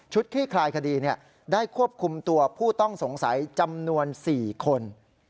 คลี่คลายคดีได้ควบคุมตัวผู้ต้องสงสัยจำนวน๔คน